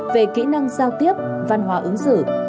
về kỹ năng giao tiếp văn hóa ứng xử